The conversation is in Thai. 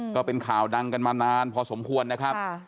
ก็เป็นข่าวดังกันมานานพอสมควรนะครับ